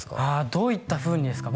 どういったふうにですか